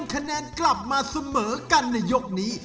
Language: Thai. เผอกันในยกนี้